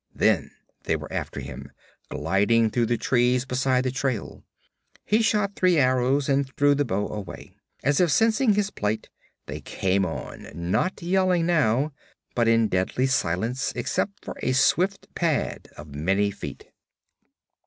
Then they were after him, gliding through the trees beside the trail. He shot three arrows and threw the bow away. As if sensing his plight, they came on, not yelling now, but in deadly silence except for a swift pad of many feet.